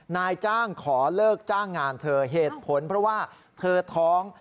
นายจ้างขอเลิกจ้างงานเธอเหตุผลเพราะว่าเธอท้อง